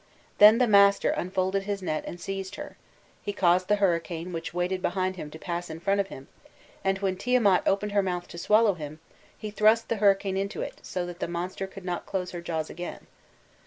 Then the master unfolded his net and seized her; he caused the hurricane which waited behind him to pass in front of him, and, when Tiamat opened her mouth to swallow him, he thrust the hurricane into it so that the monster could not close her jaws again.